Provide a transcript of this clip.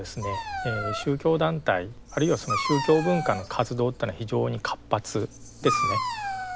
宗教団体あるいはその宗教文化の活動というのは非常に活発ですね。